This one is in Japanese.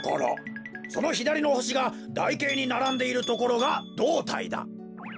そのひだりのほしがだいけいにならんでいるところがどうたいだ。